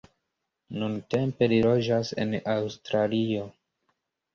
Nuntempe li loĝas en Aŭstralio.